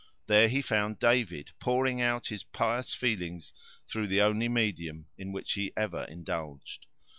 There he found David, pouring out his pious feelings through the only medium in which he ever indulged.